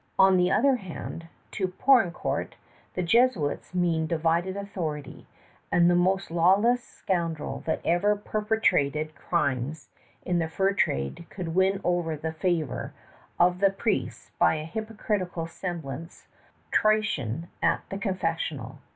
On the other hand, to Poutrincourt, the Jesuits meant divided authority; and the most lawless scoundrel that ever perpetrated crimes in the fur trade could win over the favor of the priests by a hypocritical semblance of contrition at the confessional.